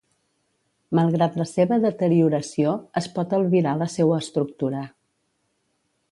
Malgrat la seva deterioració, es pot albirar la seua estructura.